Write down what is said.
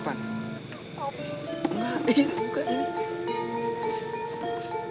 jangan lupa joko tingkir